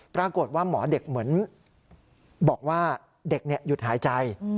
ปรากฏว่าหมอเด็กเหมือนบอกว่าเด็กหยุดหายใจ